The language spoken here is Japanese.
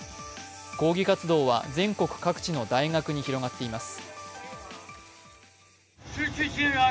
抗議活動は全国各地の大学に広がっています。